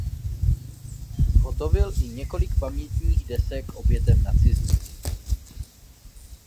Zhotovil i několik pamětních desek obětem nacismu.